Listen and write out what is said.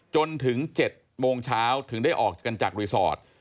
จนถึง๗โมงเช้าถึงได้ออกกันจากรีสอร์ท